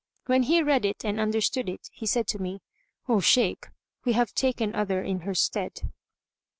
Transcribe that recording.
When he read it and understood it he said to me, "O Shaykh, we have taken other in her stead.